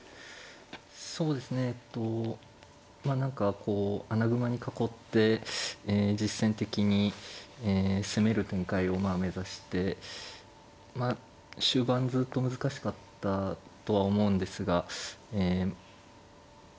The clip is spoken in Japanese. そうですねえっとまあ何かこう穴熊に囲って実戦的に攻める展開をまあ目指してまあ終盤ずっと難しかったとは思うんですがえそうですね